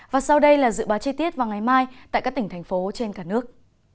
và sau đây là dự báo chi tiết vào ngày mai tại các tỉnh thành phố trên cả nước